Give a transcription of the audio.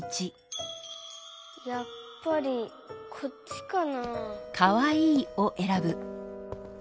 やっぱりこっちかなあ？